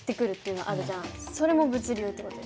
それも物流ってこと？